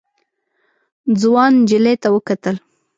ځوان نجلۍ ته وکتل.